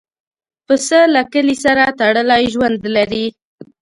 پسه له کلي سره تړلی ژوند لري.